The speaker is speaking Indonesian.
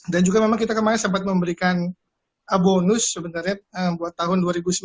dan juga memang kita kemarin sempat memberikan bonus sebenarnya buat tahun dua ribu sembilan belas